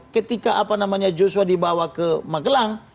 ketika apa namanya joshua dibawa ke magelang